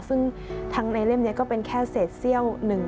ซึ่งทั้งในเล่มนี้ก็เป็นแค่เศษเซี่ยวหนึ่ง